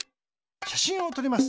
しゃしんをとります。